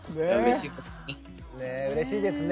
うれしいですね。